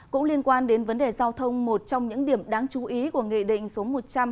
cũng liên quan đến vấn đề giao thông một trong những điểm đáng chú ý của nghị định số một mươi hai nghìn một mươi chín